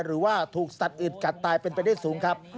หรือว่าถูกสัตว์อึดกัดตายเป็นไปได้สูงครับ